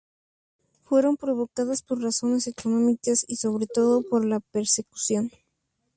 Fueron provocadas por razones económicas y, sobre todo, por la persecución.